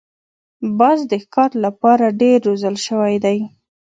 باز د ښکار لپاره ډېر روزل شوی دی